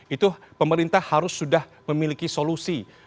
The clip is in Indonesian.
itu pemerintah harus sudah memiliki solusi